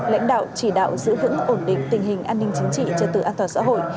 lãnh đạo chỉ đạo giữ vững ổn định tình hình an ninh chính trị trật tự an toàn xã hội